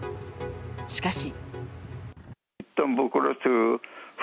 しかし。